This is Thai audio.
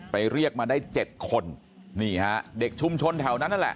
ไปเรียกมาได้๗คนนี่ฮะเด็กชุมชนแถวนั้นแหละ